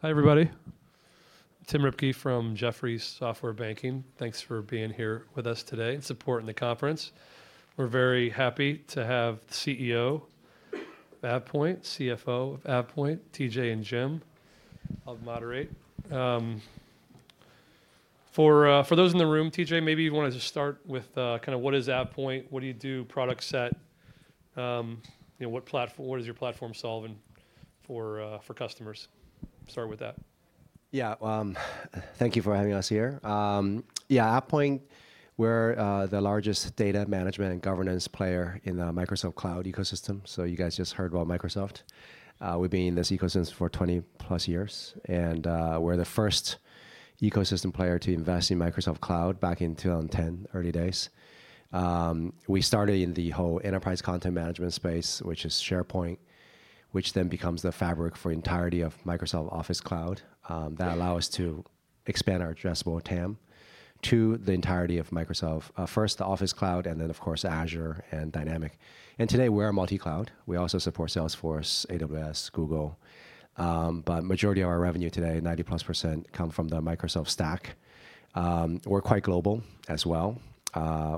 Hi, everybody. Tim Ripka from Jefferies Software Banking. Thanks for being here with us today and supporting the conference. We're very happy to have the CEO of AvePoint, CFO of AvePoint, TJ and Jim. I'll moderate. For those in the room, TJ, maybe you wanna just start with what is AvePoint? What do you do, product set? You know, what is your platform solving for customers? Start with that. Yeah, thank you for having us here. Yeah, AvePoint, we're the largest data management and governance player in the Microsoft Cloud ecosystem, so you guys just heard about Microsoft. We've been in this ecosystem for 20+ years, and we're the first ecosystem player to invest in Microsoft Cloud back in 2010, early days. We started in the whole enterprise content management space, which is SharePoint, which then becomes the fabric for entirety of Microsoft Office Cloud. That allow us to expand our addressable TAM to the entirety of Microsoft, first the Office Cloud, and then, of course, Azure and Dynamics. And today, we're a multi-cloud. We also support Salesforce, AWS, Google, but majority of our revenue today, 90+%, come from the Microsoft stack. We're quite global as well.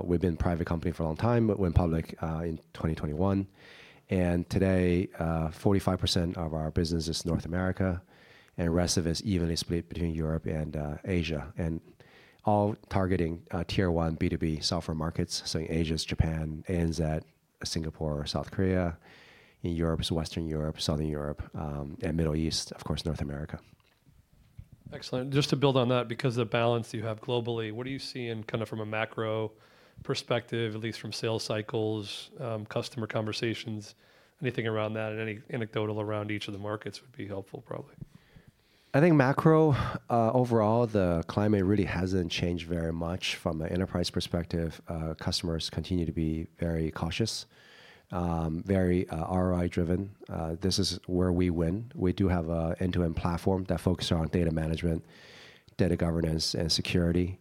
We've been a private company for a long time, but went public in 2021. Today, 45% of our business is North America, and the rest of it is evenly split between Europe and Asia, and all targeting Tier One B2B software markets, so Asia, Japan, ANZ, Singapore, South Korea, in Europe, so Western Europe, Southern Europe, and Middle East, of course, North America. Excellent. Just to build on that, because of the balance you have globally, what do you see in kinda from a macro perspective, at least from sales cycles, customer conversations, anything around that and any anecdotal around each of the markets would be helpful, probably? I think macro overall; the climate really hasn't changed very much from an enterprise perspective. Customers continue to be very cautious, very ROI-driven. This is where we win. We do have an end-to-end platform that focuses on data management, data governance, and security.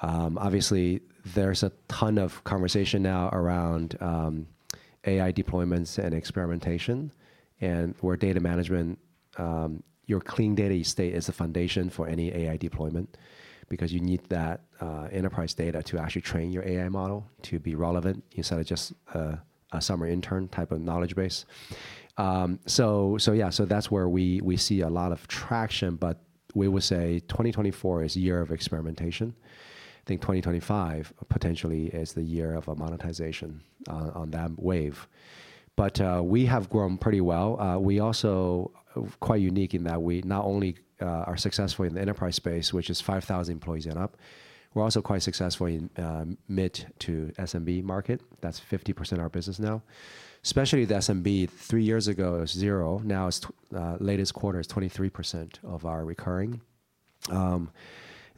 Obviously, there's a ton of conversation now around AI deployments and experimentation, and for data management, your clean data estate is the foundation for any AI deployment because you need that enterprise data to actually train your AI model to be relevant instead of just a summer intern type of knowledge base. So yeah, that's where we see a lot of traction, but we would say 2024 is a year of experimentation. I think 2025, potentially, is the year of a monetization on that wave. But, we have grown pretty well. We are also quite unique in that we not only are successful in the enterprise space, which is 5,000 employees and up, we're also quite successful in mid to SMB market. That's 50% of our business now. Especially the SMB, three years ago, it was 0. Now, it's 23% of our recurring.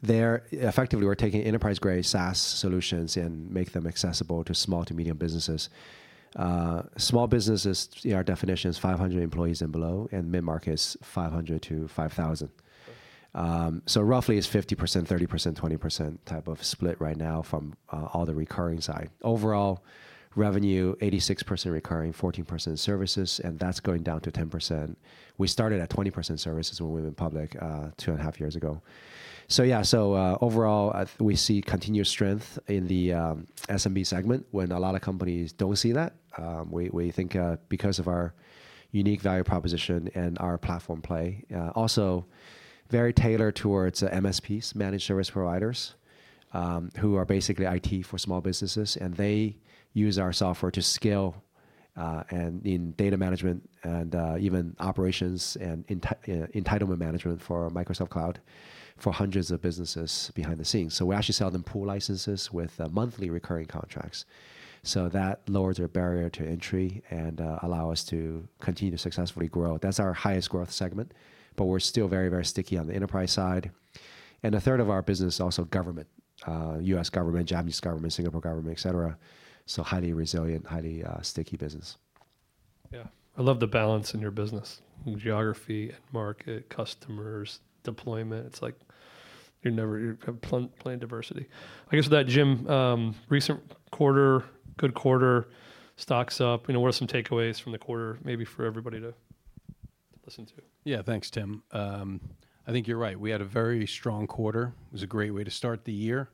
Effectively, we're taking enterprise-grade SaaS solutions and make them accessible to small to medium businesses. Small businesses, our definition is 500 employees and below, and mid-market is 500 to 5,000. So roughly, it's 50%, 30%, 20% type of split right now from all the recurring side. Overall, revenue, 86% recurring, 14% services, and that's going down to 10%. We started at 20% services when we went public, 2.5 years ago. So yeah, overall, we see continued strength in the SMB segment when a lot of companies don't see that, we think because of our unique value proposition and our platform play. Also, very tailored towards MSPs, managed service providers, who are basically IT for small businesses, and they use our software to scale and in data management and even operations and entitlement management for Microsoft Cloud for hundreds of businesses behind the scenes. So, we actually sell them pool licenses with monthly recurring contracts. So, that lowers their barrier to entry and allow us to continue to successfully grow. That's our highest growth segment, but we're still very, very sticky on the enterprise side. A third of our business, also government, U.S. government, Japanese government, Singapore government, et cetera, so highly resilient, highly sticky business. Yeah. I love the balance in your business, geography and market, customers, deployment. It's like you're never. You have plenty of diversity. I guess with that, Jim, recent quarter, good quarter, stock's up. You know, what are some takeaways from the quarter maybe for everybody to listen to? Yeah, thanks, Tim. I think you're right. We had a very strong quarter. It was a great way to start the year,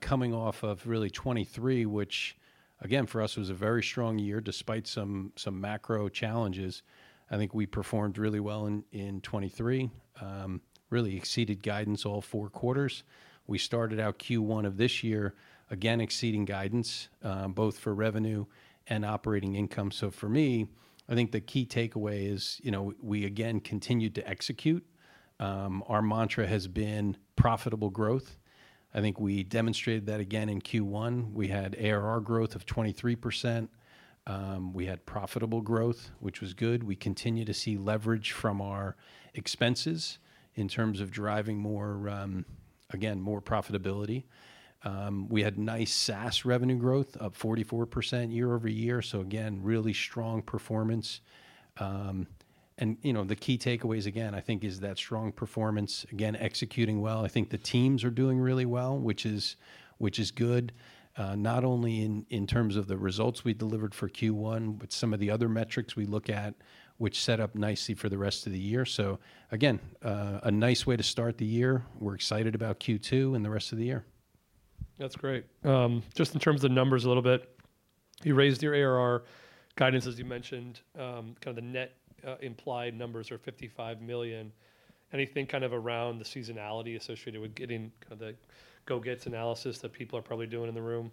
coming off of really 2023, which again, for us, was a very strong year despite some macro challenges. I think we performed really well in 2023, really exceeded guidance all four quarters. We started out Q1 of this year, again, exceeding guidance, both for revenue and operating income. So for me, I think the key takeaway is, you know, we again continued to execute. Our mantra has been profitable growth. I think we demonstrated that again in Q1. We had ARR growth of 23%. We had profitable growth, which was good. We continue to see leverage from our expenses in terms of driving more, again, more profitability. We had nice SaaS revenue growth, up 44% year-over-year, so again, really strong performance. And, you know, the key takeaways, again, I think, is that strong performance, again, executing well. I think the teams are doing really well, which is, which is good, not only in, in terms of the results we delivered for Q1, but some of the other metrics we look at, which set up nicely for the rest of the year. So again, a nice way to start the year. We're excited about Q2 and the rest of the year.... That's great. Just in terms of numbers a little bit, you raised your ARR guidance, as you mentioned. Kind of the net implied numbers are $55 million. Anything kind of around the seasonality associated with getting kind of the go-gets analysis that people are probably doing in the room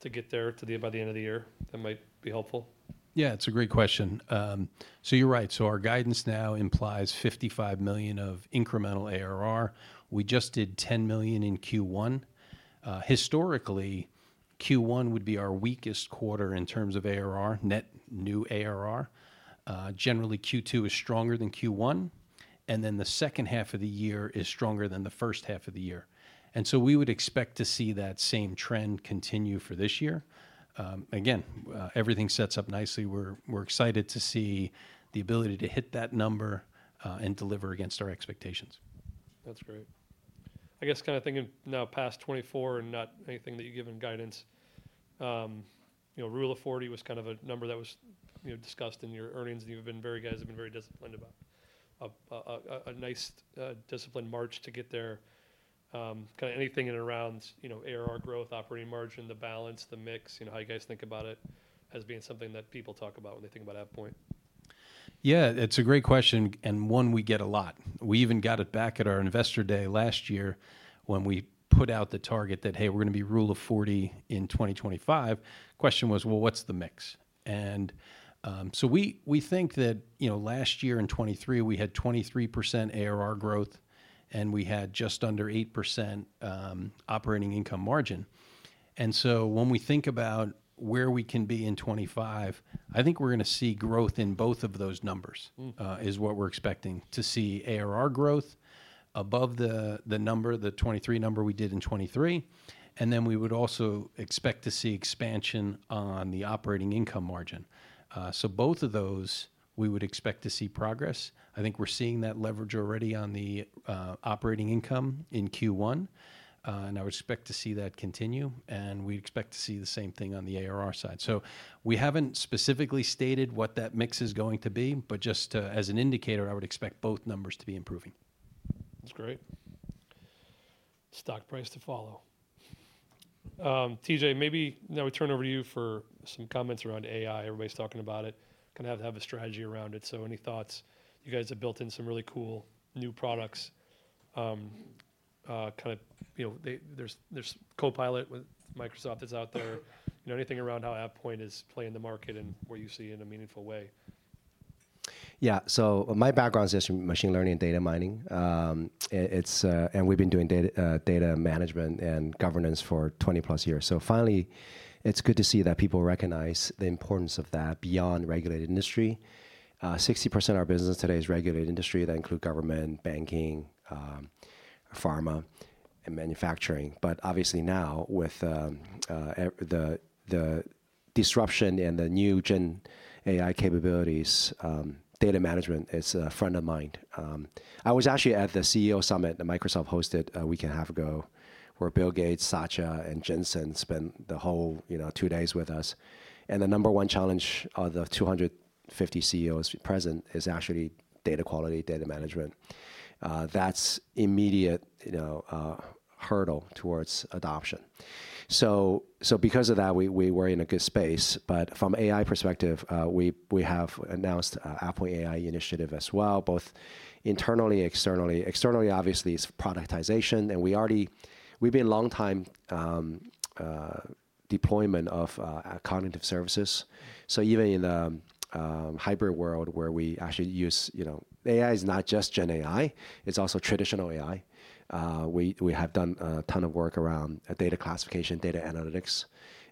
to get there to the, by the end of the year? That might be helpful. Yeah, it's a great question. So you're right. So, our guidance now implies $55 million of incremental ARR. We just did $10 million in Q1. Historically, Q1 would be our weakest quarter in terms of ARR, net new ARR. Generally, Q2 is stronger than Q1, and then the second half of the year is stronger than the first half of the year. And so we would expect to see that same trend continue for this year. Again, everything sets up nicely. We're excited to see the ability to hit that number, and deliver against our expectations. That's great. I guess kind of thinking now past 2024 and not anything that you've given guidance, you know, Rule of Forty was kind of a number that was, you know, discussed in your earnings, and you've been very, guys have been very disciplined about a nice, disciplined march to get there. Kinda anything in and around, you know, ARR growth, operating margin, the balance, the mix, you know, how you guys think about it as being something that people talk about when they think about AvePoint? Yeah, it's a great question, and one we get a lot. We even got it back at our investor day last year when we put out the target that, "Hey, we're gonna be Rule of Forty in 2025." Question was, "Well, what's the mix?" And, so we think that, you know, last year in 2023, we had 23% ARR growth, and we had just under 8% operating income margin. And so, when we think about where we can be in 2025, I think we're gonna see growth in both of those numbers. Mm... is what we're expecting, to see ARR growth above the, the number, the 23 number we did in 2023, and then we would also expect to see expansion on the operating income margin. So both of those, we would expect to see progress. I think we're seeing that leverage already on the operating income in Q1, and I would expect to see that continue, and we expect to see the same thing on the ARR side. So, we haven't specifically stated what that mix is going to be, but just, as an indicator, I would expect both numbers to be improving. That's great. Stock price to follow. TJ, maybe now we turn over to you for some comments around AI. Everybody's talking about it, kinda have to have a strategy around it, so any thoughts? You guys have built in some really cool new products. Kind of, you know, there's Copilot with Microsoft is out there. You know, anything around how AvePoint is playing the market and where you see in a meaningful way? Yeah. So, my background is just machine learning and data mining. And we've been doing data management and governance for 20+ years. So finally, it's good to see that people recognize the importance of that beyond regulated industry. 60% of our business today is regulated industry that include government, banking, pharma, and manufacturing. But obviously now, with the disruption and the new GenAI capabilities, data management is front of mind. I was actually at the CEO summit that Microsoft hosted a week and a half ago, where Bill Gates, Satya, and Jensen spent the whole, you know, two days with us. And the number one challenge of the 250 CEOs present is actually data quality, data management. That's immediate, you know, hurdle towards adoption. So because of that, we were in a good space, but from AI perspective, we have announced AvePoint AI initiative as well, both internally, externally. Externally, obviously, it's productization, and we've already been long time deployment of cognitive services. So, even in the hybrid world, where we actually use, you know, AI is not just GenAI, it's also traditional AI. We have done a ton of work around data classification, data analytics.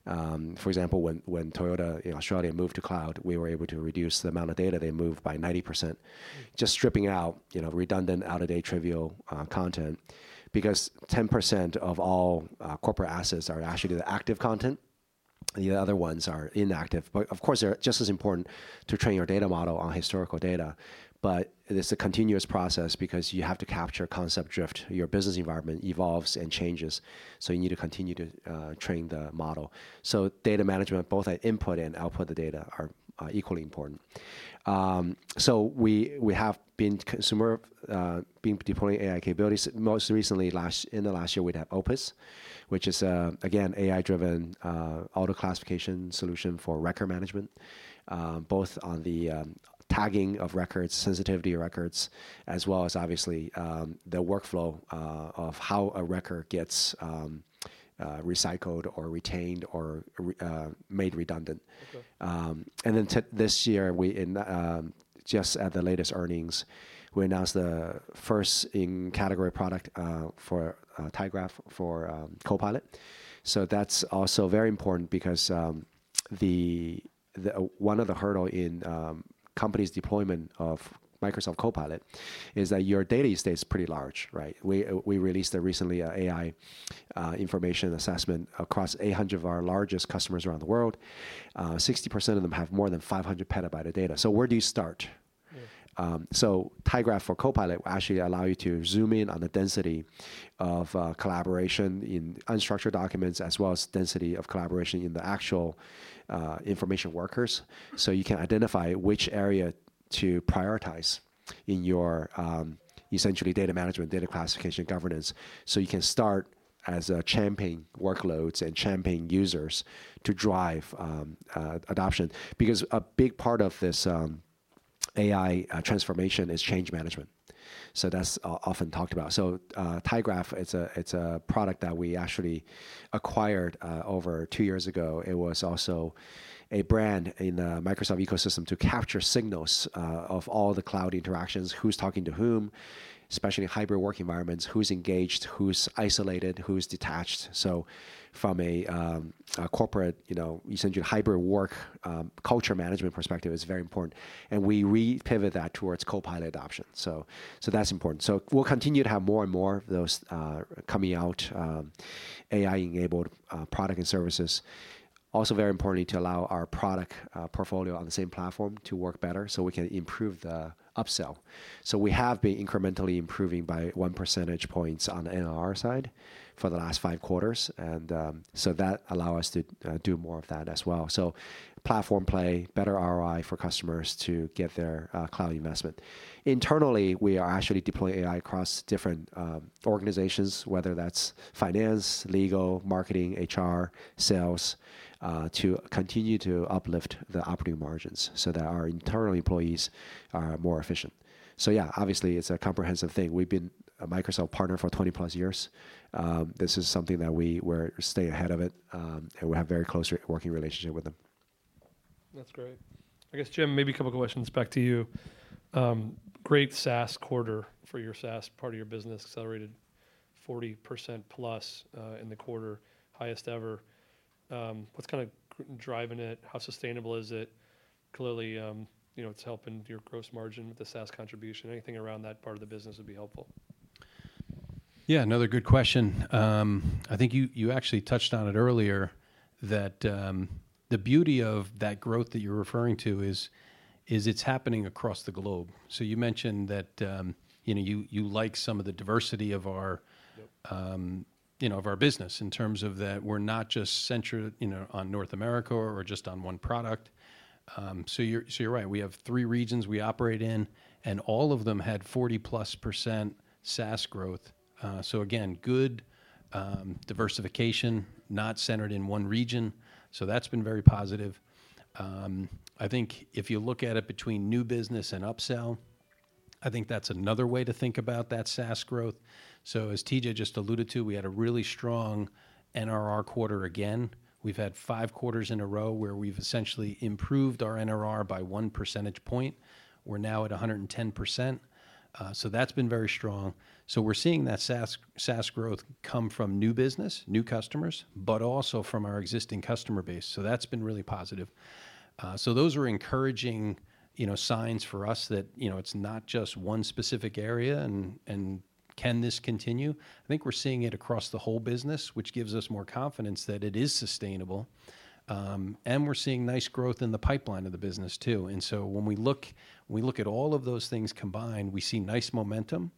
For example, when Toyota in Australia moved to cloud, we were able to reduce the amount of data they moved by 90%. Just stripping out, you know, redundant, out-of-date, trivial content, because 10% of all corporate assets are actually the active content, the other ones are inactive. But, of course, they're just as important to train your data model on historical data. But it is a continuous process because you have to capture concept drift. Your business environment evolves and changes, so you need to continue to train the model. So, data management, both at input and output, the data are equally important. So, we have been deploying AI capabilities. Most recently, in the last year, we've had Opus, which is, again, AI-driven, auto classification solution for records management, both on the tagging of records, sensitive records, as well as obviously, the workflow of how a record gets recycled or retained or made redundant. Sure. And then this year, we in just at the latest earnings, we announced the first in-category product for tyGraph for Copilot. So, that's also very important because the, the... One of the hurdles in companies' deployment of Microsoft Copilot is that your data these days is pretty large, right? We released a recent AI information assessment across 800 of our largest customers around the world. 60% of them have more than 500 petabytes of data. So, where do you start? Yeah. So, TyGraph for Copilot will actually allow you to zoom in on the density of collaboration in unstructured documents, as well as density of collaboration in the actual information workers. So, you can identify which area to prioritize in your essentially data management, data classification governance, so you can start as a championing workloads and championing users to drive adoption. Because a big part of this AI transformation is change management. So that's often talked about. So, TyGraph, it's a product that we actually acquired over two years ago. It was also a brand in the Microsoft ecosystem to capture signals of all the cloud interactions, who's talking to whom, especially in hybrid work environments, who's engaged, who's isolated, who's detached. So, from a corporate, you know, essentially a hybrid work culture management perspective, it's very important, and we repivot that towards Copilot adoption. So that's important. So, we'll continue to have more and more of those coming out AI-enabled product and services. Also very importantly, to allow our product portfolio on the same platform to work better, so we can improve the upsell. So, we have been incrementally improving by one percentage points on the NRR side for the last five quarters, and so that allow us to do more of that as well. So platform play, better ROI for customers to get their cloud investment. Internally, we are actually deploying AI across different organizations, whether that's finance, legal, marketing, HR, sales to continue to uplift the operating margins so that our internal employees are more efficient. Yeah, obviously, it's a comprehensive thing. We've been a Microsoft partner for 20+ years. This is something that we're staying ahead of it, and we have very close working relationship with them. That's great. I guess, Jim, maybe a couple questions back to you. Great SaaS quarter for your SaaS part of your business, accelerated 40%+, in the quarter, highest ever. What's kind of driving it? How sustainable is it? Clearly, you know, it's helping your gross margin with the SaaS contribution. Anything around that part of the business would be helpful. Yeah, another good question. I think you actually touched on it earlier, that the beauty of that growth that you're referring to is it's happening across the globe. So you mentioned that, you know, you like some of the diversity of our- Yep... you know, of our business in terms of that we're not just centered, you know, on North America or just on one product. So, you're right. We have three regions we operate in, and all of them had 40%+ SaaS growth. So again, good diversification, not centered in one region, so that's been very positive. I think if you look at it between new business and upsell, I think that's another way to think about that SaaS growth. So as TJ just alluded to, we had a really strong NRR quarter again. We've had five quarters in a row where we've essentially improved our NRR by one percentage point. We're now at 110%. So that's been very strong. So, we're seeing that SaaS growth come from new business, new customers, but also from our existing customer base, so that's been really positive. So, those are encouraging, you know, signs for us that, you know, it's not just one specific area, and can this continue? I think we're seeing it across the whole business, which gives us more confidence that it is sustainable. And we're seeing nice growth in the pipeline of the business, too. So when we look at all of those things combined, we see nice momentum.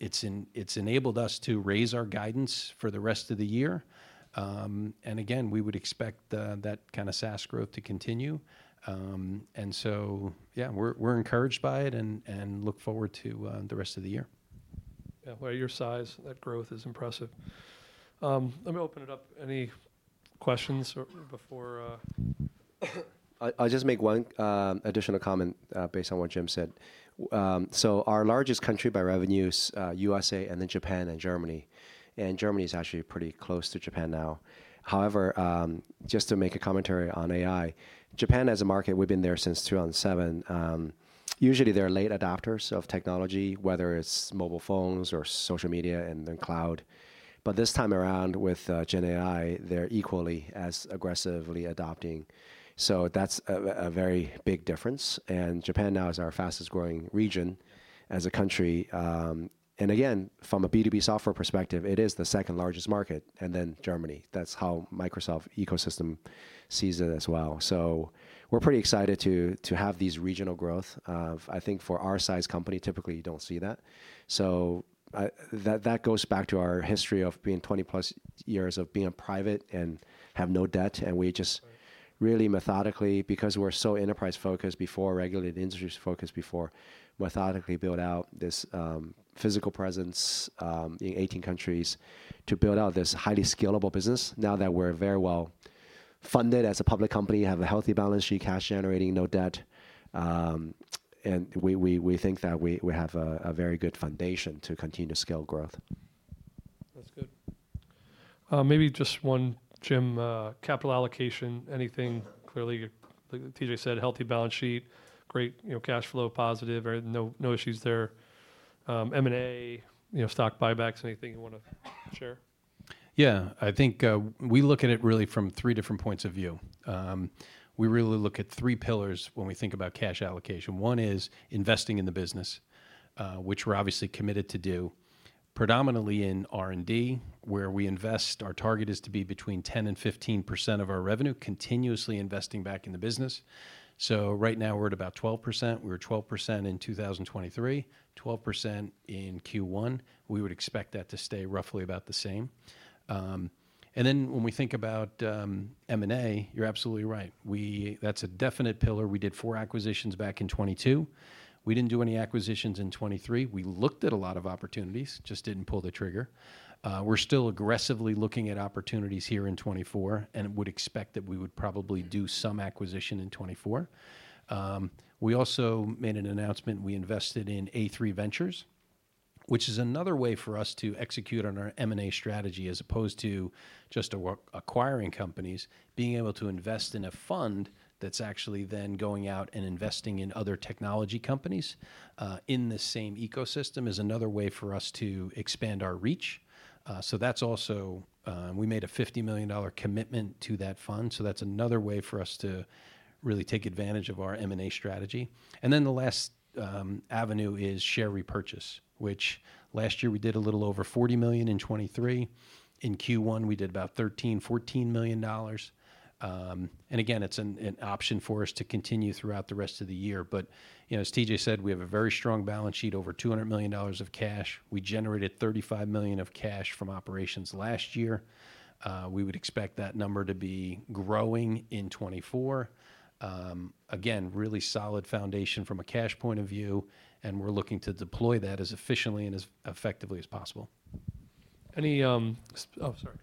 It's enabled us to raise our guidance for the rest of the year. And again, we would expect that kind of SaaS growth to continue. And so, yeah, we're encouraged by it and look forward to the rest of the year. Yeah, by your size, that growth is impressive. Let me open it up. Any questions or before, I'll just make one additional comment based on what Jim said. So, our largest country by revenue is USA and then Japan and Germany, and Germany is actually pretty close to Japan now. However, just to make a commentary on AI, Japan, as a market, we've been there since 2007. Usually, they're late adopters of technology, whether it's mobile phones or social media and then cloud. But this time around, with GenAI, they're equally as aggressively adopting. So that's a very big difference, and Japan now is our fastest-growing region as a country. And again, from a B2B software perspective, it is the second-largest market, and then Germany. That's how Microsoft ecosystem sees it as well. So, we're pretty excited to have this regional growth of... I think for our size company, typically, you don't see that. So, that goes back to our history of being 20+ years of being private and have no debt, and we just really methodically, because we're so enterprise-focused before, regulated industry-focused before, methodically built out this physical presence in 18 countries to build out this highly scalable business. Now that we're very well-funded as a public company, have a healthy balance sheet, cash generating, no debt, and we think that we have a very good foundation to continue to scale growth. That's good. Maybe just one, Jim, capital allocation, anything? Clearly, like TJ said, healthy balance sheet, great, you know, cash flow positive, no, no issues there. M&A, you know, stock buybacks, anything you wanna share? Yeah. I think, we look at it really from three different points of view. We really look at three pillars when we think about cash allocation. One is investing in the business, which we're obviously committed to do, predominantly in R&D, where we invest. Our target is to be between 10% and 15% of our revenue, continuously investing back in the business. So, right now, we're at about 12%. We were 12% in 2023, 12% in Q1. We would expect that to stay roughly about the same. And then when we think about M&A, you're absolutely right. That's a definite pillar. We did four acquisitions back in 2022. We didn't do any acquisitions in 2023. We looked at a lot of opportunities, just didn't pull the trigger. We're still aggressively looking at opportunities here in 2024 and would expect that we would probably do some acquisition in 2024. We also made an announcement. We invested in A3 Ventures, which is another way for us to execute on our M&A strategy, as opposed to just acquiring companies. Being able to invest in a fund that's actually then going out and investing in other technology companies in the same ecosystem is another way for us to expand our reach. So that's also. We made a $50 million commitment to that fund, so that's another way for us to really take advantage of our M&A strategy. And then the last avenue is share repurchase, which last year we did a little over $40 million in 2023. In Q1, we did about $13-$14 million. And again, it's an option for us to continue throughout the rest of the year. But, you know, as TJ said, we have a very strong balance sheet, over $200 million of cash. We generated $35 million of cash from operations last year. We would expect that number to be growing in 2024. Again, really solid foundation from a cash point of view, and we're looking to deploy that as efficiently and as effectively as possible. Oh, sorry,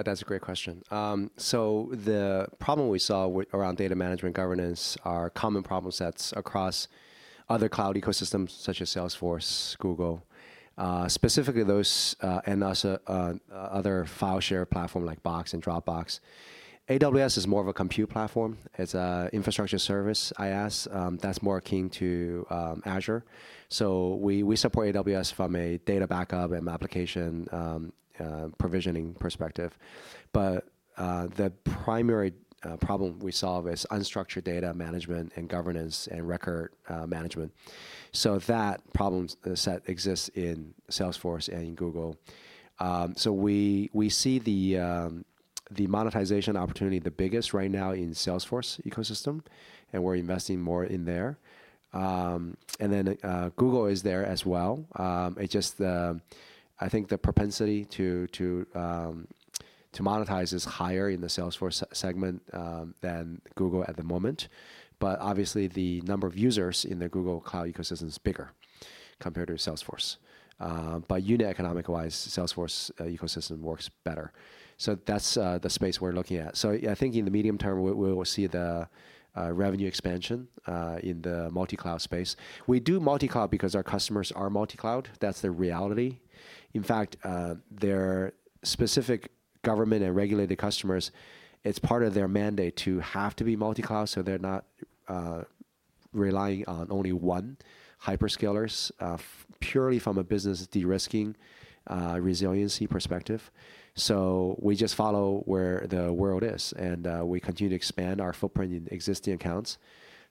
go ahead. I just wanted to ask about, you said 90% of your revenue comes from the Microsoft ecosystem. Can you talk about the other 10% and how you expect that to evolve over the next few years, and who might be your partners there? That's a great question. So, the problem we solve around data management governance are common problem sets across other cloud ecosystems such as Salesforce, Google. Specifically those, and also, other file share platform like Box and Dropbox. AWS is more of a compute platform. It's an infrastructure service, IaaS, that's more akin to Azure. So, we support AWS from a data backup and application provisioning perspective. But the primary problem we solve is unstructured data management and governance and record management. So, that problem set exists in Salesforce and in Google. So, we see the monetization opportunity, the biggest right now in Salesforce ecosystem, and we're investing more in there. And then Google is there as well. It's just the—I think the propensity to monetize is higher in the Salesforce segment than Google at the moment. But obviously, the number of users in the Google Cloud ecosystem is bigger compared to Salesforce. But unit economic-wise, Salesforce ecosystem works better. So, that's the space we're looking at. So, yeah, I think in the medium term, we will see the revenue expansion in the multi-cloud space. We do multi-cloud because our customers are multi-cloud. That's the reality. In fact, their specific government and regulated customers, it's part of their mandate to have to be multi-cloud, so they're not relying on only one hyperscalers purely from a business de-risking, resiliency perspective. So, we just follow where the world is, and we continue to expand our footprint in existing accounts.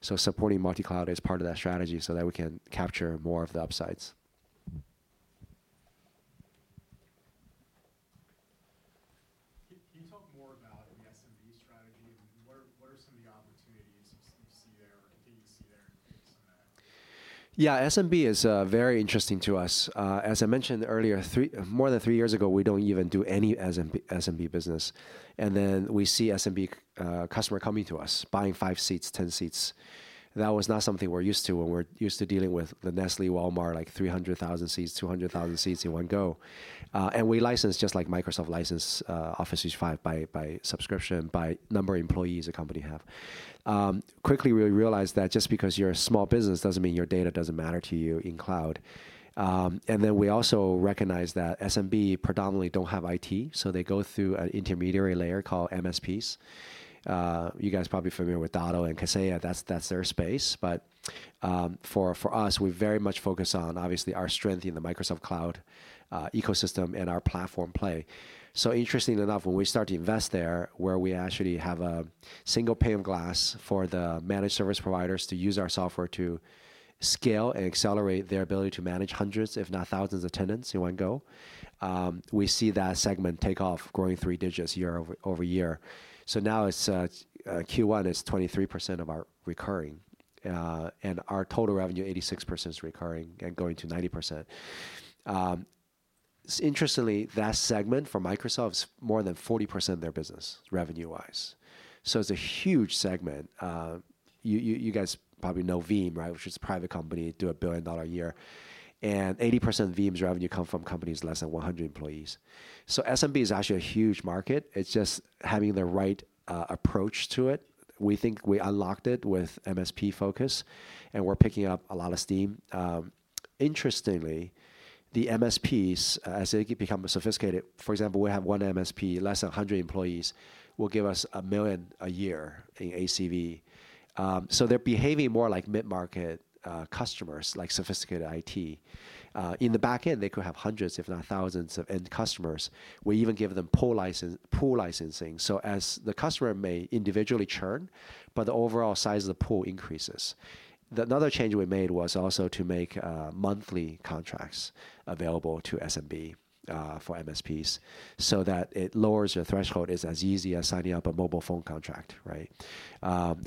Supporting multi-cloud is part of that strategy so that we can capture more of the upsides. Can you talk more about the SMB strategy and what are some of the opportunities you see there or that you see there in SMB? Yeah, SMB is very interesting to us. As I mentioned earlier, more than 3 years ago, we don't even do any SMB business, and then we see SMB customer coming to us, buying 5 seats, 10 seats. That was not something we're used to when we're used to dealing with the Nestlé, Walmart, like 300,000 seats, 200,000 seats in one go. And we license, just like Microsoft license, Office 365 by subscription, by number of employees a company have. Quickly, we realized that just because you're a small business doesn't mean your data doesn't matter to you in cloud. And then we also recognize that SMB predominantly don't have IT, so they go through an intermediary layer called MSPs. You guys are probably familiar with Datto and Kaseya. That's their space. But for us, we very much focus on obviously our strength in the Microsoft Cloud ecosystem and our platform play. So interestingly enough, when we start to invest there, where we actually have a single pane of glass for the managed service providers to use our software to scale and accelerate their ability to manage hundreds, if not thousands of tenants in one go, we see that segment take off, growing three digits year-over-year. So now it's Q1 is 23% of our recurring and our total revenue, 86% is recurring and going to 90%. Interestingly, that segment for Microsoft is more than 40% of their business, revenue-wise. So it's a huge segment. You guys probably know Veeam, right? Which is a private company, do $1 billion a year, and 80% of Veeam's revenue come from companies less than 100 employees. So SMB is actually a huge market. It's just having the right approach to it. We think we unlocked it with MSP focus, and we're picking up a lot of steam. Interestingly, the MSPs, as they become more sophisticated... For example, we have one MSP, less than 100 employees, will give us $1 million a year in ACV. So they're behaving more like mid-market customers, like sophisticated IT. In the back end, they could have hundreds, if not thousands, of end customers. We even give them pool licensing, so as the customer may individually churn, but the overall size of the pool increases. Another change we made was also to make monthly contracts available to SMB for MSPs, so that it lowers the threshold. It's as easy as signing up a mobile phone contract, right?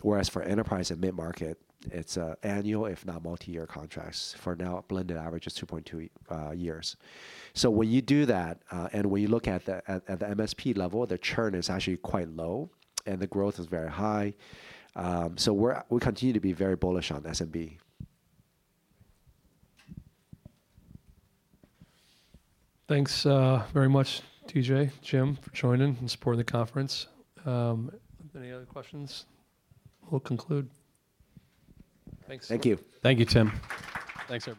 Whereas for enterprise and mid-market, it's annual, if not multiyear, contracts. For now, a blended average is 2.2 years. So, when you do that, and when you look at the MSP level, the churn is actually quite low, and the growth is very high. So, we're, we continue to be very bullish on SMB. Thanks, very much, TJ, Jim, for joining and supporting the conference. Any other questions? We'll conclude. Thanks. Thank you. Thank you, Tim. Thanks, everyone.